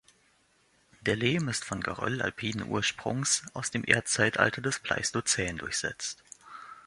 Der Lehm ist von Geröll alpinen Ursprungs aus dem Erdzeitalter des Pleistozän durchsetzt.